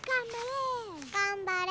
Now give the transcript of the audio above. がんばれ！